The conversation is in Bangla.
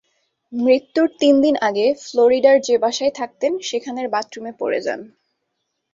মৃত্যুর তিনদিন আগে ফ্লোরিডার যে বাসায় থাকতেন, সেখানের বাথরুমে পড়ে যান।